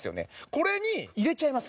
これに入れちゃいます